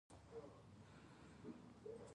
د علامه رشاد لیکنی هنر مهم دی ځکه چې شواهد مستند دي.